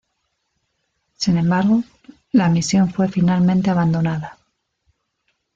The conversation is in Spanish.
Sin embargo, la misión fue finalmente abandonada.